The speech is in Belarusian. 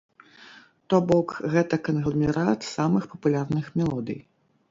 То бок, гэта кангламерат самых папулярных мелодый.